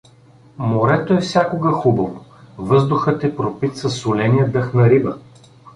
Морето е всякога хубаво, въздухът е пропит със соления дъх на риба.